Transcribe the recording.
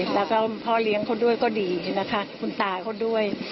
แล้วก็พ่อเลี้ยงเขาด้วยก็ดีนะคะคุณตาเขาด้วย